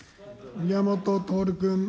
宮本徹君。